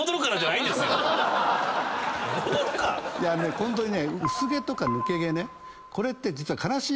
ホントにね。